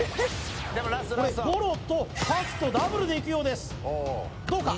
これゴロとパスとダブルでいくようですどうか？